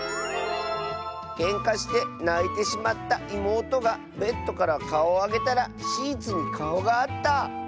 「けんかしてないてしまったいもうとがベッドからかおをあげたらシーツにかおがあった」。